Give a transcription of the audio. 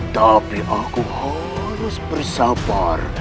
tapi aku harus bersabar